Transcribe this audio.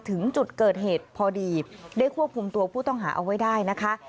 ถึงจุดเกิดเหตุพอดีได้ควบคุมตัวผู้ต้องหาเอาไว้ได้นะคะ